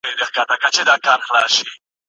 نیوکلاسیکانو مادي پانګه بسنه نه ګڼله.